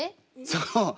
そう。